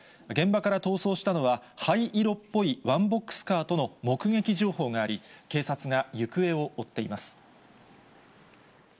現場から逃走したのは、灰色っぽいワンボックスカーとの目撃情報があり、警察が行方を追っています。